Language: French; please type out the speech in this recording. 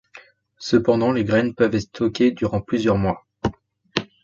Cependant les graines peuvent être stockées durant plusieurs mois.